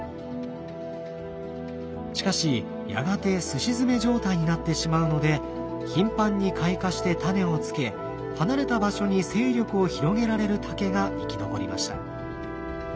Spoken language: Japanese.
しかしやがてすし詰め状態になってしまうので頻繁に開花してタネをつけ離れた場所に勢力を広げられる竹が生き残りました。